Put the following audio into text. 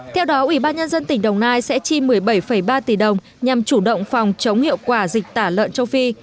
theo đó ủy ban nhân dân tỉnh đồng nai sẽ chi một mươi bảy ba tỷ đồng nhằm chủ động phòng chống hiệu quả dịch tả lợn châu phi